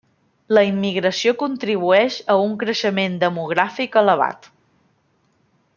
La immigració contribueix a un creixement demogràfic elevat.